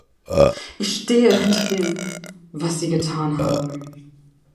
Ich stehe hinter dem, was Sie getan haben.